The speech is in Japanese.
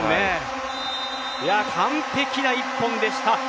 完璧な１本でした。